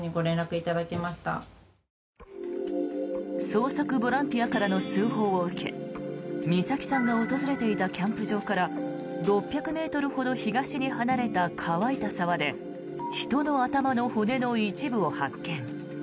捜索ボランティアからの通報を受け美咲さんの訪れていたキャンプ場から６００ｍほど東に離れた乾いた沢で人の頭の骨の一部を発見。